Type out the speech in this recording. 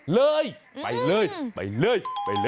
เลยไปเลยไปเลย